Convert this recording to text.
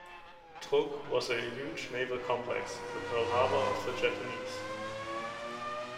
Truk was a huge naval complex, the "Pearl Harbor of the Japanese".